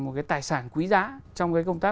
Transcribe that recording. một cái tài sản quý giá trong cái công tác